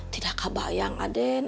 tidakkah bayang aden